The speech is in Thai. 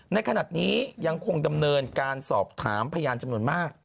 ในขณะนี้ยังคงดำเนินการสอบถามพยานจำนวนมาก